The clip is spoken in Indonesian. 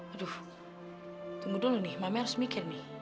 aduh tunggu dulu nih mama harus mikir nih